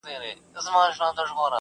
o چي ته نه يې زما په ژونــــد كــــــي.